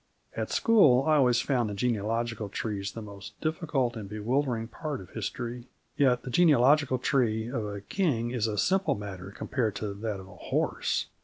At school, I always found the genealogical trees the most difficult and bewildering part of history. Yet the genealogical tree of a king is a simple matter compared to that of a horse.